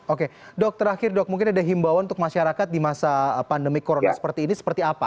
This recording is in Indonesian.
oke dok terakhir dok mungkin ada himbauan untuk masyarakat di masa pandemi corona seperti ini seperti apa